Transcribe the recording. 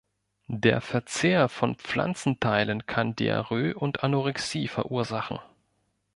Der Verzehr von Pflanzenteilen kann Diarrhoe und Anorexie verursachen.